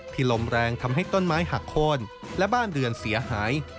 ลมแรงทำให้ต้นไม้หักโค้นและบ้านเรือนเสียหาย